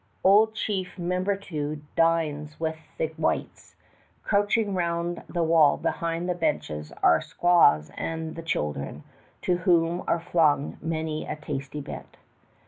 Old Chief Membertou dines with the whites. Crouching round the wall behind the benches are the squaws and the children, to whom are flung many a tasty bit.